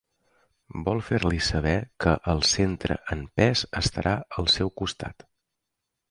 Vol fer-li saber que el centre en pes estarà al seu costat.